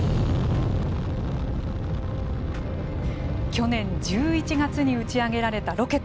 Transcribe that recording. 去年１１月に打ち上げられたロケット。